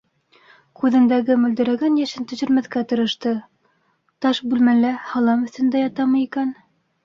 Күҙендәге мөлдөрәгән йәшен төшөрмәҫкә тырышты: — Таш бүлмәлә һалам өҫтөндә ятамы икән?